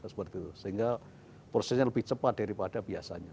sehingga prosesnya lebih cepat daripada biasanya